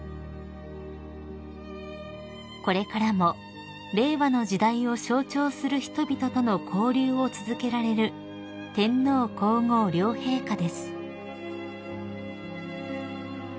［これからも令和の時代を象徴する人々との交流を続けられる天皇皇后両陛下です］